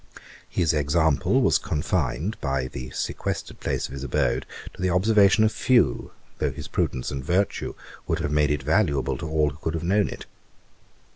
'His example was confined, by the sequestered place of his abode, to the observation of few, though his prudence and virtue would have made it valuable to all who could have known it.